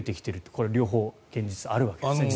これは両方現実としてあるわけですね。